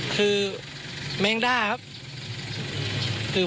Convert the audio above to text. คือแมงด้าครับ